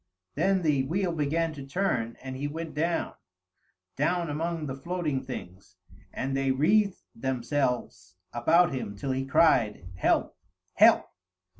Then the wheel began to turn, and he went down, down among the floating things, and they wreathed themselves about him till he cried, "Help! help!"